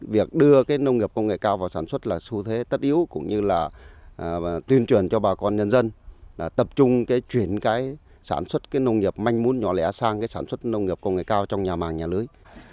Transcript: việc đưa nông nghiệp công nghệ cao vào sản xuất là xu thế tất yếu cũng như là tuyên truyền cho bà con nhân dân tập trung chuyển sản xuất nông nghiệp manh mút nhỏ lẻ sang sản xuất nông nghiệp công nghệ cao trong nhà màng nhà lưới